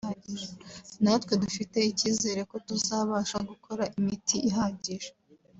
natwe dufite icyizere ko tuzabasha gukora imiti ihagije